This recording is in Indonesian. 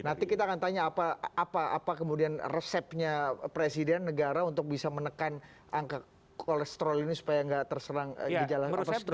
nanti kita akan tanya apa kemudian resepnya presiden negara untuk bisa menekan angka kolesterol ini supaya nggak terserang gejala koperasi